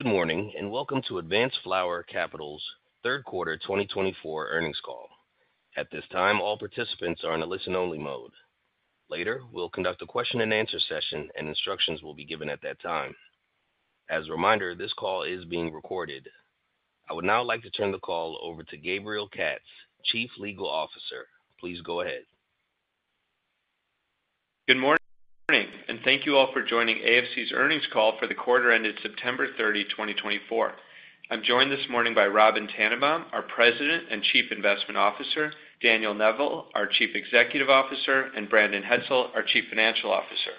Good morning and welcome to Advanced Flower Capital's third quarter 2024 earnings call. At this time, all participants are in a listen-only mode. Later, we'll conduct a question-and-answer session, and instructions will be given at that time. As a reminder, this call is being recorded. I would now like to turn the call over to Gabriel Katz, Chief Legal Officer. Please go ahead. Good morning, and thank you all for joining AFC's earnings call for the quarter ended September 30, 2024. I'm joined this morning by Robyn Tannenbaum, our President and Chief Investment Officer, Daniel Neville, our Chief Executive Officer, and Brandon Hetzel, our Chief Financial Officer.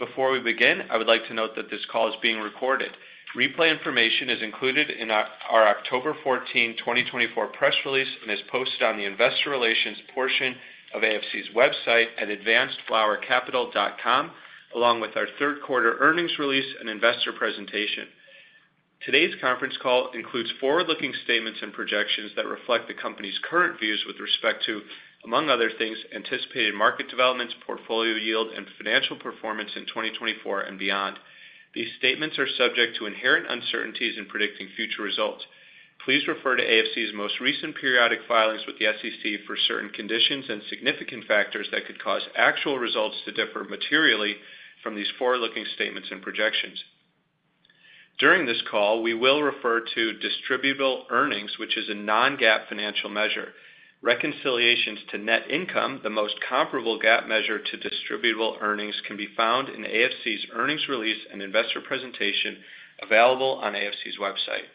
Before we begin, I would like to note that this call is being recorded. Replay information is included in our October 14, 2024, press release and is posted on the Investor Relations portion of AFC's website at advancedflowercapital.com, along with our third quarter earnings release and investor presentation. Today's conference call includes forward-looking statements and projections that reflect the company's current views with respect to, among other things, anticipated market developments, portfolio yield, and financial performance in 2024 and beyond. These statements are subject to inherent uncertainties in predicting future results. Please refer to AFC's most recent periodic filings with the SEC for certain conditions and significant factors that could cause actual results to differ materially from these forward-looking statements and projections. During this call, we will refer to distributable earnings, which is a non-GAAP financial measure. Reconciliations to net income, the most comparable GAAP measure to distributable earnings, can be found in AFC's earnings release and investor presentation available on AFC's website.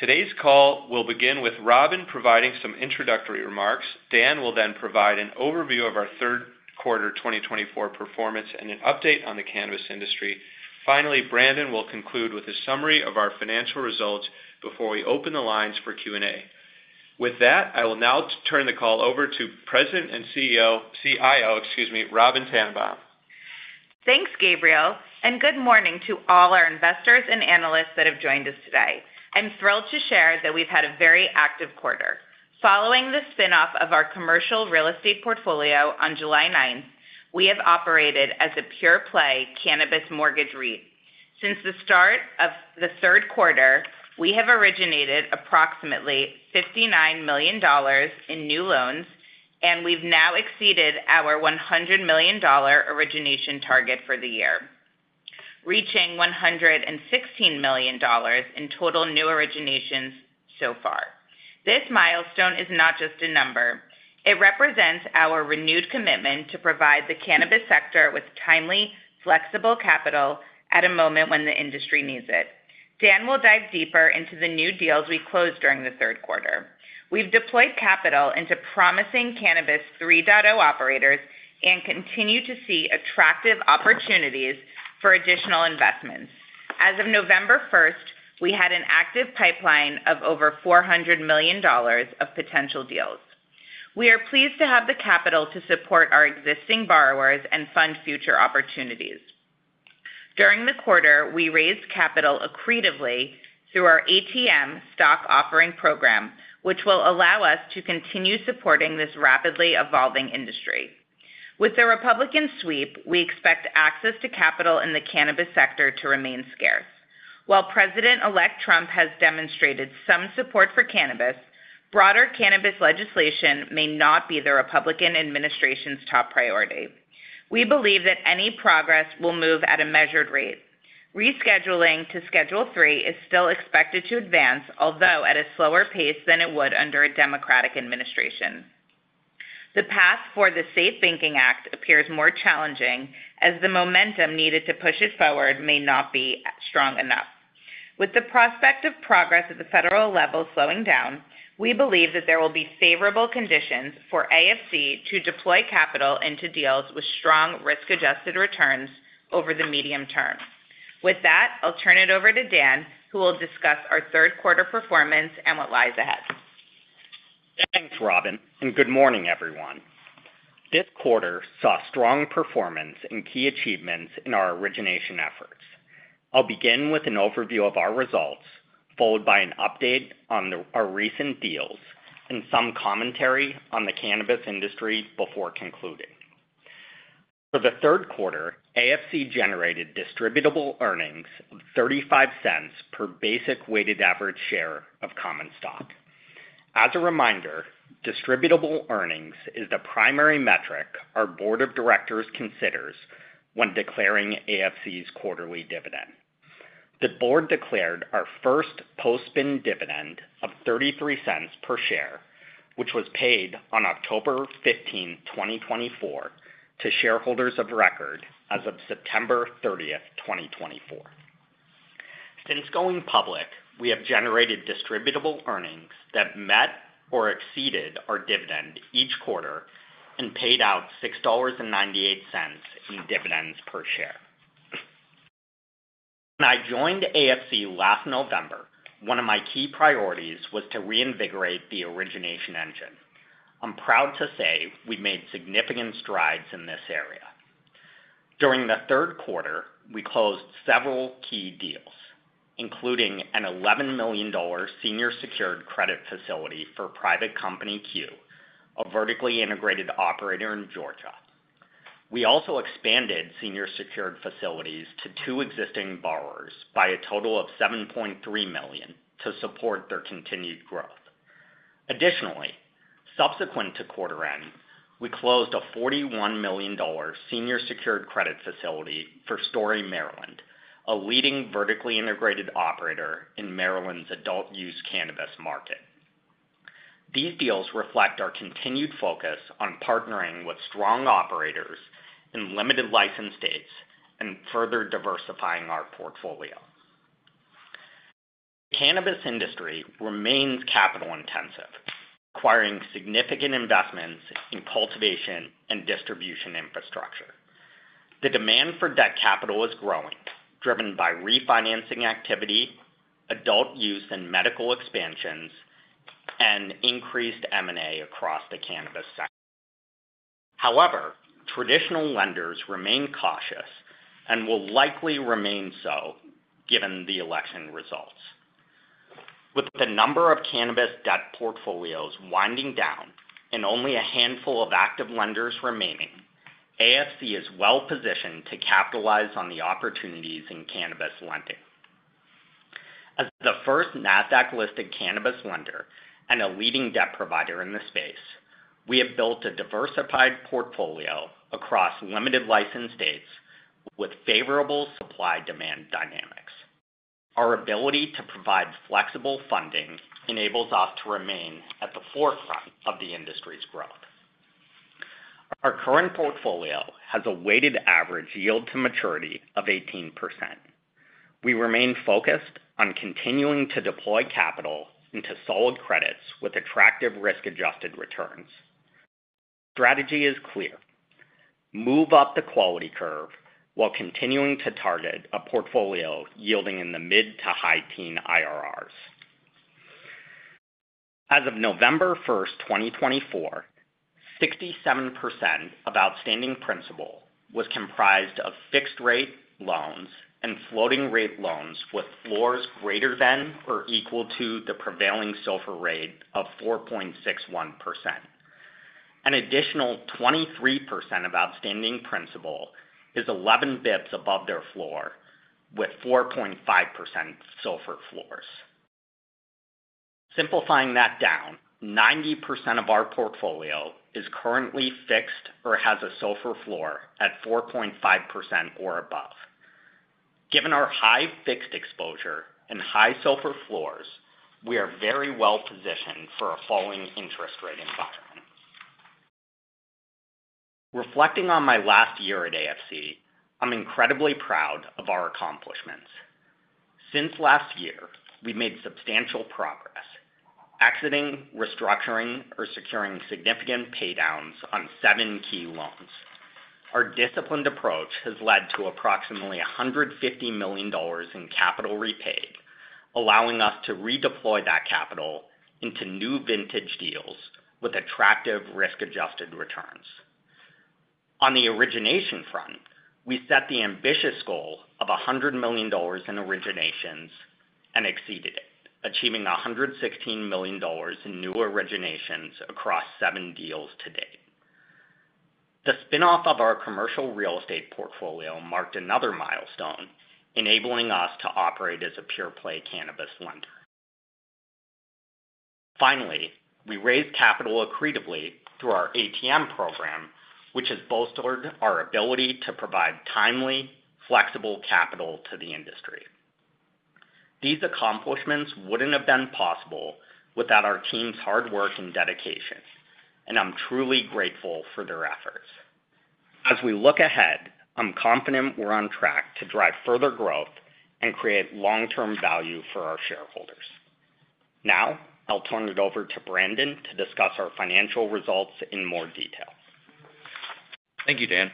Today's call will begin with Robyn providing some introductory remarks. Dan will then provide an overview of our third quarter 2024 performance and an update on the cannabis industry. Finally, Brandon will conclude with a summary of our financial results before we open the lines for Q&A. With that, I will now turn the call over to President and CIO, excuse me, Robyn Tannenbaum. Thanks, Gabriel, and good morning to all our investors and analysts that have joined us today. I'm thrilled to share that we've had a very active quarter. Following the spinoff of our commercial real estate portfolio on July 9th, we have operated as a pure-play cannabis mortgage REIT. Since the start of the third quarter, we have originated approximately $59 million in new loans, and we've now exceeded our $100 million origination target for the year, reaching $116 million in total new originations so far. This milestone is not just a number. It represents our renewed commitment to provide the cannabis sector with timely, flexible capital at a moment when the industry needs it. Dan will dive deeper into the new deals we closed during the third quarter. We've deployed capital into promising cannabis 3.0 operators and continue to see attractive opportunities for additional investments. As of November 1st, we had an active pipeline of over $400 million of potential deals. We are pleased to have the capital to support our existing borrowers and fund future opportunities. During the quarter, we raised capital accretively through our ATM stock offering program, which will allow us to continue supporting this rapidly evolving industry. With the Republican sweep, we expect access to capital in the cannabis sector to remain scarce. While President-elect Trump has demonstrated some support for cannabis, broader cannabis legislation may not be the Republican administration's top priority. We believe that any progress will move at a measured rate. Rescheduling to Schedule III is still expected to advance, although at a slower pace than it would under a Democratic administration. The path for the SAFE Banking Act appears more challenging, as the momentum needed to push it forward may not be strong enough. With the prospect of progress at the federal level slowing down, we believe that there will be favorable conditions for AFC to deploy capital into deals with strong risk-adjusted returns over the medium term. With that, I'll turn it over to Dan, who will discuss our third quarter performance and what lies ahead. Thanks, Robyn, and good morning, everyone. This quarter saw strong performance and key achievements in our origination efforts. I'll begin with an overview of our results, followed by an update on our recent deals and some commentary on the cannabis industry before concluding. For the third quarter, AFC generated distributable earnings of $0.35 per basic weighted average share of common stock. As a reminder, distributable earnings is the primary metric our board of directors considers when declaring AFC's quarterly dividend. The board declared our first post-bin dividend of $0.33 per share, which was paid on October 15, 2024, to shareholders of record as of September 30, 2024. Since going public, we have generated distributable earnings that met or exceeded our dividend each quarter and paid out $6.98 in dividends per share. When I joined AFC last November, one of my key priorities was to reinvigorate the origination engine. I'm proud to say we made significant strides in this area. During the third quarter, we closed several key deals, including an $11 million senior-secured credit facility for private company Q, a vertically integrated operator in Georgia. We also expanded senior-secured facilities to two existing borrowers by a total of $7.3 million to support their continued growth. Additionally, subsequent to quarter end, we closed a $41 million senior-secured credit facility for Story Maryland, a leading vertically integrated operator in Maryland's adult-use cannabis market. These deals reflect our continued focus on partnering with strong operators in limited license states and further diversifying our portfolio. The cannabis industry remains capital-intensive, requiring significant investments in cultivation and distribution infrastructure. The demand for that capital is growing, driven by refinancing activity, adult use and medical expansions, and increased M&A across the cannabis sector. However, traditional lenders remain cautious and will likely remain so given the election results. With the number of cannabis debt portfolios winding down and only a handful of active lenders remaining, AFC is well-positioned to capitalize on the opportunities in cannabis lending. As the first Nasdaq-listed cannabis lender and a leading debt provider in the space, we have built a diversified portfolio across limited license states with favorable supply-demand dynamics. Our ability to provide flexible funding enables us to remain at the forefront of the industry's growth. Our current portfolio has a weighted average yield-to-maturity of 18%. We remain focused on continuing to deploy capital into solid credits with attractive risk-adjusted returns. The strategy is clear: move up the quality curve while continuing to target a portfolio yielding in the mid- to high-teens IRRs. As of November 1, 2024, 67% of outstanding principal was comprised of fixed-rate loans and floating-rate loans with floors greater than or equal to the prevailing SOFR rate of 4.61%. An additional 23% of outstanding principal is 11 basis points above their floor with 4.5% SOFR floors. Simplifying that down, 90% of our portfolio is currently fixed or has a silver floor at 4.5% or above. Given our high fixed exposure and high SOFR floors, we are very well-positioned for a falling interest rate environment. Reflecting on my last year at AFC, I'm incredibly proud of our accomplishments. Since last year, we've made substantial progress, exiting, restructuring, or securing significant paydowns on seven key loans. Our disciplined approach has led to approximately $150 million in capital repaid, allowing us to redeploy that capital into new vintage deals with attractive risk-adjusted returns. On the origination front, we set the ambitious goal of $100 million in originations and exceeded it, achieving $116 million in new originations across seven deals to date. The spinoff of our commercial real estate portfolio marked another milestone, enabling us to operate as a pure-play cannabis lender. Finally, we raised capital accretively through our ATM program, which has bolstered our ability to provide timely, flexible capital to the industry. These accomplishments wouldn't have been possible without our team's hard work and dedication, and I'm truly grateful for their efforts. As we look ahead, I'm confident we're on track to drive further growth and create long-term value for our shareholders. Now, I'll turn it over to Brandon to discuss our financial results in more detail. Thank you, Dan.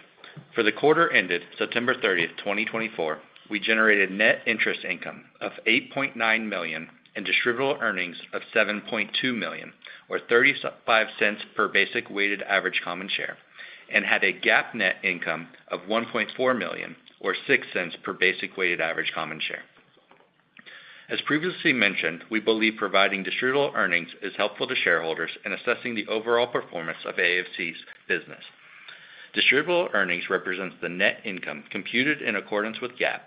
For the quarter ended September 30, 2024, we generated net interest income of $8.9 million and distributable earnings of $7.2 million, or $0.35 per basic weighted average common share, and had a GAAP net income of $1.4 million, or $0.06 per basic weighted average common share. As previously mentioned, we believe providing distributable earnings is helpful to shareholders in assessing the overall performance of AFC's business. Distributable earnings represents the net income computed in accordance with GAAP,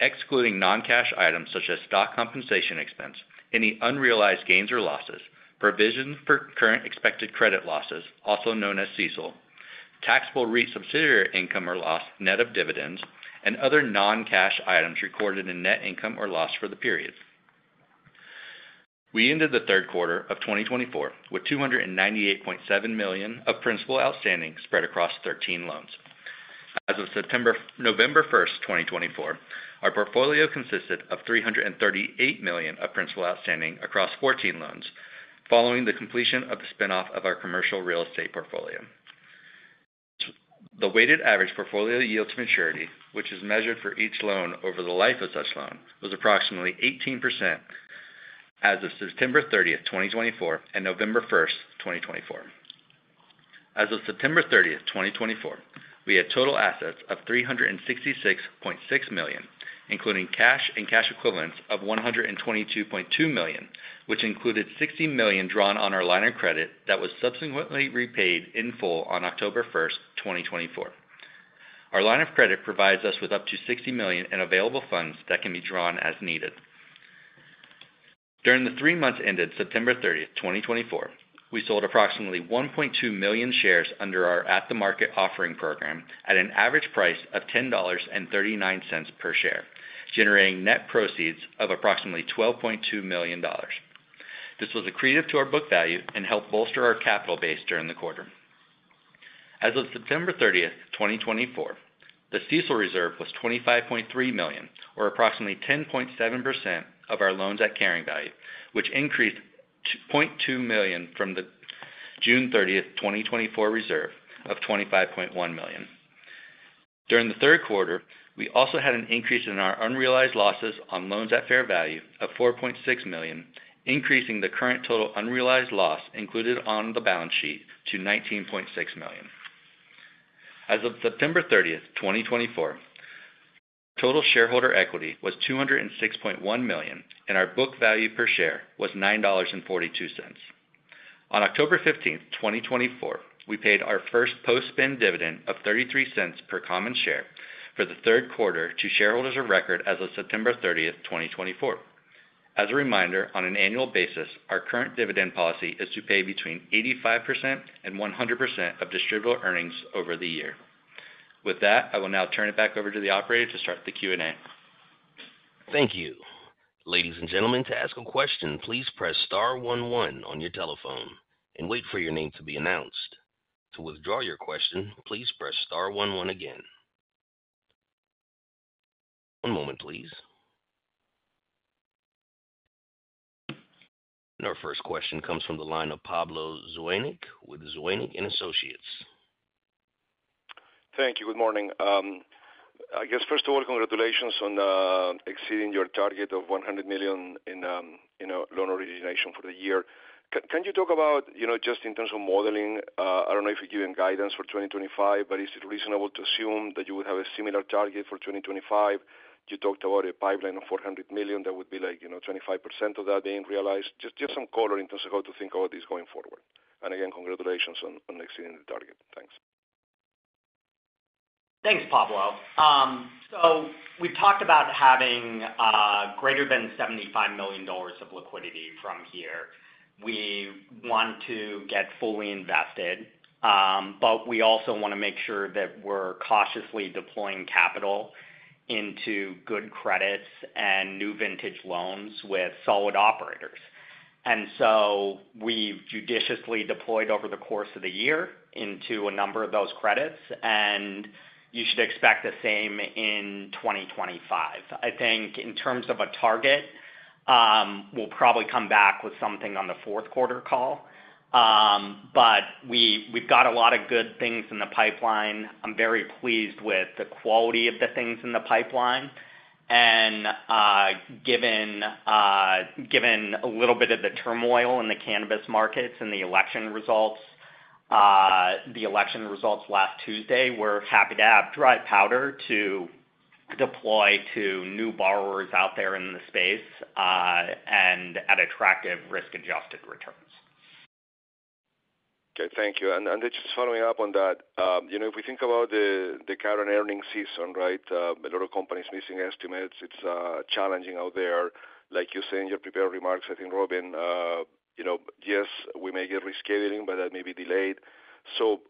excluding non-cash items such as stock compensation expense, any unrealized gains or losses, provision for current expected credit losses, also known as CECL, taxable REIT subsidiary income or loss net of dividends, and other non-cash items recorded in net income or loss for the period. We ended the third quarter of 2024 with $298.7 million of principal outstanding spread across 13 loans. As of November 1, 2024, our portfolio consisted of $338 million of principal outstanding across 14 loans, following the completion of the spinoff of our commercial real estate portfolio. The weighted average portfolio yield-to-maturity, which is measured for each loan over the life of such loan, was approximately 18% as of September 30, 2024, and November 1, 2024. As of September 30, 2024, we had total assets of $366.6 million, including cash and cash equivalents of $122.2 million, which included $60 million drawn on our line of credit that was subsequently repaid in full on October 1, 2024. Our line of credit provides us with up to $60 million in available funds that can be drawn as needed. During the three months ended September 30, 2024, we sold approximately 1.2 million shares under our At the Market offering program at an average price of $10.39 per share, generating net proceeds of approximately $12.2 million. This was accretive to our book value and helped bolster our capital base during the quarter. As of September 30, 2024, the CECL reserve was $25.3 million, or approximately 10.7% of our loans at carrying value, which increased $0.2 million from the June 30, 2024, reserve of $25.1 million. During the third quarter, we also had an increase in our unrealized losses on loans at fair value of $4.6 million, increasing the current total unrealized loss included on the balance sheet to $19.6 million. As of September 30, 2024, total shareholder equity was $206.1 million, and our book value per share was $9.42. On October 15, 2024, we paid our first post-spin dividend of $0.33 per common share for the third quarter to shareholders of record as of September 30, 2024. As a reminder, on an annual basis, our current dividend policy is to pay between 85% and 100% of distributable earnings over the year. With that, I will now turn it back over to the operator to start the Q&A. Thank you. Ladies and gentlemen, to ask a question, please press star 11 on your telephone and wait for your name to be announced. To withdraw your question, please press star 11 again. One moment, please. And our first question comes from the line of Pablo Zuanik with Zuanik & Associates. Thank you. Good morning. I guess, first of all, congratulations on exceeding your target of $100 million in loan origination for the year. Can you talk about, just in terms of modeling, I don't know if you're giving guidance for 2025, but is it reasonable to assume that you would have a similar target for 2025? You talked about a pipeline of $400 million that would be like 25% of that being realized. Just some color in terms of how to think about this going forward, and again, congratulations on exceeding the target. Thanks. Thanks, Pablo. So we've talked about having greater than $75 million of liquidity from here. We want to get fully invested, but we also want to make sure that we're cautiously deploying capital into good credits and new vintage loans with solid operators. And so we've judiciously deployed over the course of the year into a number of those credits, and you should expect the same in 2025. I think in terms of a target, we'll probably come back with something on the fourth quarter call, but we've got a lot of good things in the pipeline. I'm very pleased with the quality of the things in the pipeline. Given a little bit of the turmoil in the cannabis markets and the election results, the election results last Tuesday, we're happy to have dry powder to deploy to new borrowers out there in the space and at attractive risk-adjusted returns. Okay. Thank you. And just following up on that, if we think about the current earnings season, right? A lot of companies missing estimates. It's challenging out there. Like you said in your prepared remarks, I think, Robyn, yes, we may get rescheduling, but that may be delayed. So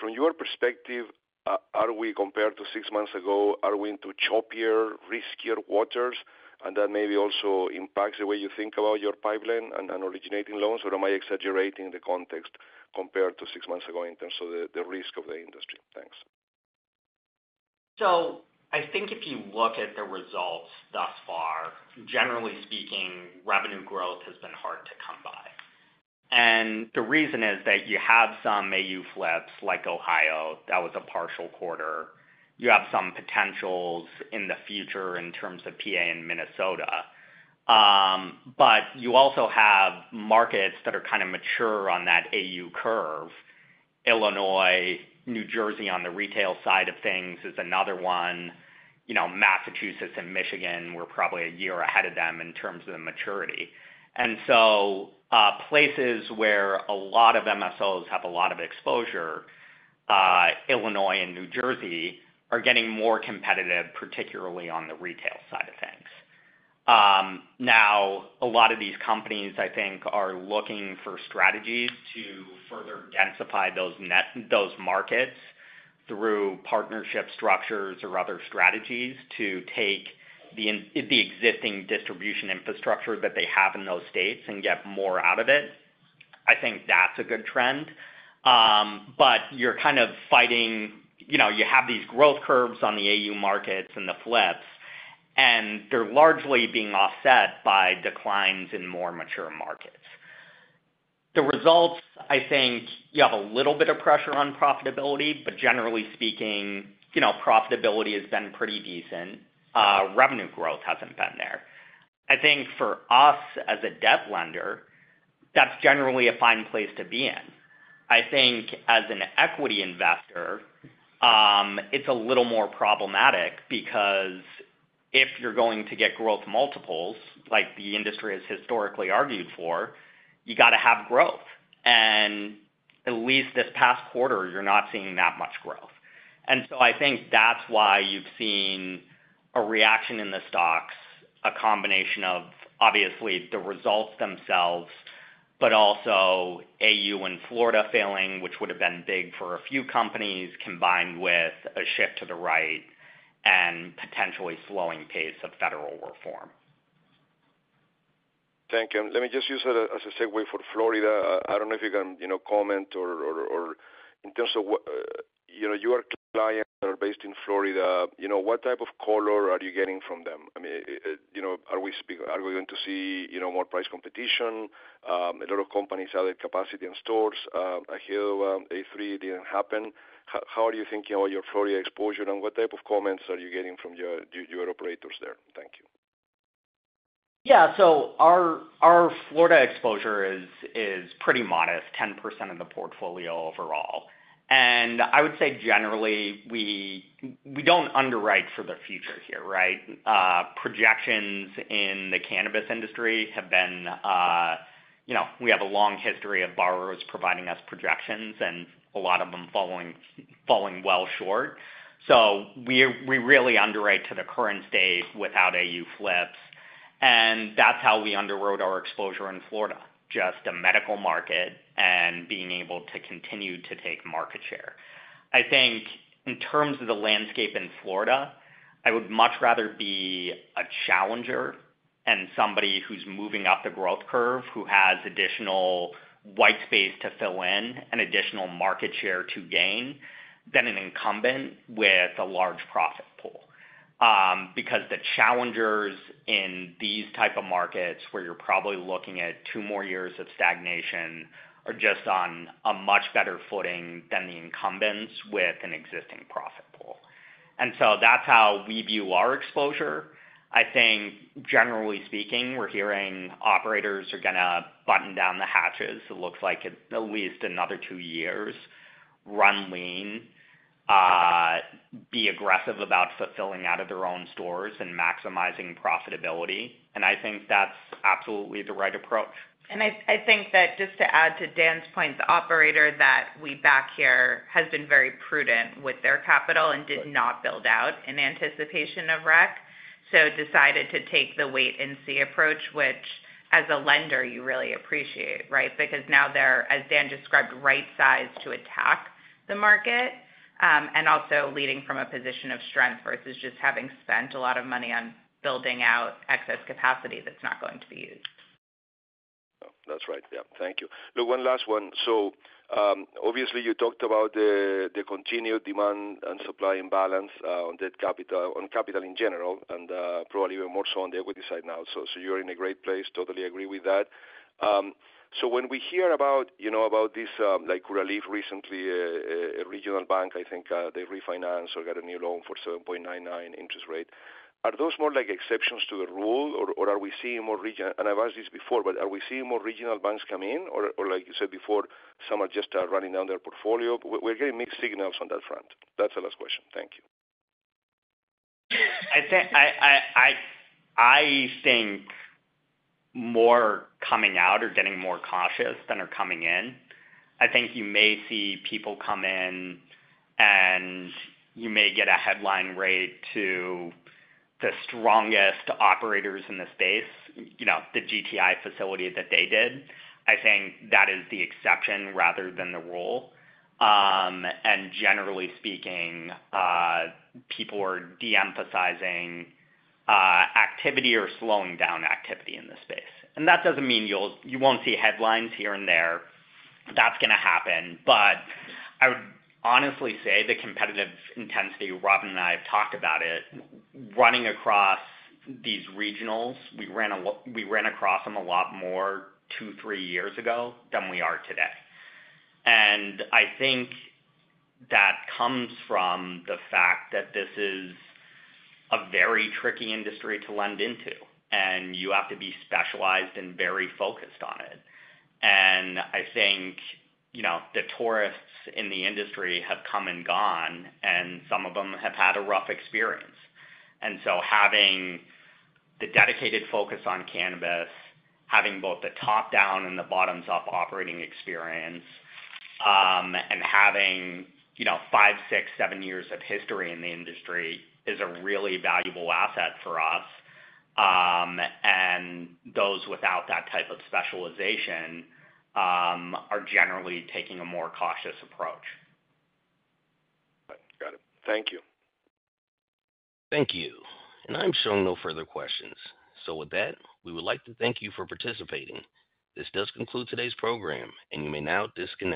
from your perspective, are we compared to six months ago, are we into choppier, riskier waters? And that maybe also impacts the way you think about your pipeline and originating loans. Or am I exaggerating the context compared to six months ago in terms of the risk of the industry? Thanks. So I think if you look at the results thus far, generally speaking, revenue growth has been hard to come by. And the reason is that you have some AU flips like Ohio, that was a partial quarter. You have some potentials in the future in terms of PA and Minnesota. But you also have markets that are kind of mature on that AU curve. Illinois, New Jersey on the retail side of things is another one. Massachusetts and Michigan were probably a year ahead of them in terms of the maturity. And so places where a lot of MSOs have a lot of exposure, Illinois and New Jersey, are getting more competitive, particularly on the retail side of things. Now, a lot of these companies, I think, are looking for strategies to further densify those markets through partnership structures or other strategies to take the existing distribution infrastructure that they have in those states and get more out of it. I think that's a good trend. But you're kind of fighting. You have these growth curves on the AU markets and the flips, and they're largely being offset by declines in more mature markets. The results, I think you have a little bit of pressure on profitability, but generally speaking, profitability has been pretty decent. Revenue growth hasn't been there. I think for us as a debt lender, that's generally a fine place to be in. I think as an equity investor, it's a little more problematic because if you're going to get growth multiples, like the industry has historically argued for, you got to have growth. And at least this past quarter, you're not seeing that much growth. And so I think that's why you've seen a reaction in the stocks, a combination of, obviously, the results themselves, but also AU and Florida failing, which would have been big for a few companies, combined with a shift to the right and potentially slowing pace of federal reform. Thank you. Let me just use that as a segue for Florida. I don't know if you can comment or in terms of your clients that are based in Florida, what type of color are you getting from them? I mean, are we going to see more price competition? A lot of companies have the capacity and stores ahead of A3. It didn't happen. How are you thinking about your Florida exposure, and what type of comments are you getting from your operators there? Thank you. Yeah. So our Florida exposure is pretty modest, 10% of the portfolio overall. And I would say, generally, we don't underwrite for the future here, right? Projections in the cannabis industry have been. We have a long history of borrowers providing us projections, and a lot of them falling well short. So we really underwrite to the current state without AU flips. And that's how we underwrote our exposure in Florida: just a medical market and being able to continue to take market share. I think in terms of the landscape in Florida, I would much rather be a challenger and somebody who's moving up the growth curve, who has additional white space to fill in and additional market share to gain, than an incumbent with a large profit pool. Because the challengers in these types of markets where you're probably looking at two more years of stagnation are just on a much better footing than the incumbents with an existing profit pool. And so that's how we view our exposure. I think, generally speaking, we're hearing operators are going to button down the hatches. It looks like at least another two years, run lean, be aggressive about fulfilling out of their own stores and maximizing profitability. And I think that's absolutely the right approach. And I think that just to add to Dan's point, the operator that we back here has been very prudent with their capital and did not build out in anticipation of REC, so decided to take the wait-and-see approach, which, as a lender, you really appreciate, right? Because now they're, as Dan described, right-sized to attack the market and also leading from a position of strength versus just having spent a lot of money on building out excess capacity that's not going to be used. That's right. Yeah. Thank you. Look, one last one. So obviously, you talked about the continued demand and supply imbalance on capital in general and probably even more so on the equity side now. So you're in a great place. Totally agree with that. So when we hear about this relief recently, a regional bank, I think they refinanced or got a new loan for 7.99% interest rate. Are those more like exceptions to the rule, or are we seeing more regional, and I've asked this before, but are we seeing more regional banks come in? Or like you said before, some are just running down their portfolio. We're getting mixed signals on that front. That's the last question. Thank you. I think more coming out are getting more cautious than are coming in. I think you may see people come in, and you may get a headline rate to the strongest operators in the space, the GTI facility that they did. I think that is the exception rather than the rule. And generally speaking, people are de-emphasizing activity or slowing down activity in the space. And that doesn't mean you won't see headlines here and there. That's going to happen. But I would honestly say the competitive intensity, Robyn and I have talked about it, running across these regionals, we ran across them a lot more two, three years ago than we are today. And I think that comes from the fact that this is a very tricky industry to lend into, and you have to be specialized and very focused on it. I think the tourists in the industry have come and gone, and some of them have had a rough experience. Having the dedicated focus on cannabis, having both the top-down and the bottoms-up operating experience, and having five, six, seven years of history in the industry is a really valuable asset for us. Those without that type of specialization are generally taking a more cautious approach. Got it. Thank you. Thank you. And I'm showing no further questions. So with that, we would like to thank you for participating. This does conclude today's program, and you may now disconnect.